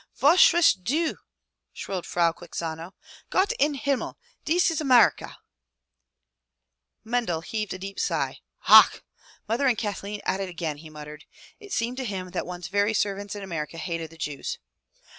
'* '*Wos shreist du? shrilled Frau Quixano. Gott in Himmel! dieses AmerikaJ' Mendel heaved a deep sigh. "Ach! Mother and Kathleen at it again!'' he muttered. It seemed to him that one's very servants in America hated the Jews.